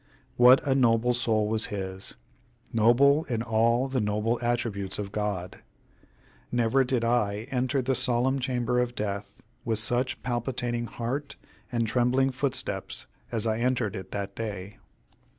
What a noble soul was his noble in all the noble attributes of God! Never did I enter the solemn chamber of death with such palpitating heart and trembling footsteps as I entered it that day.